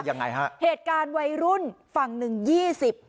ยังไงฮะเหตุการณ์วัยรุ่นฝั่งหนึ่งยี่สิบ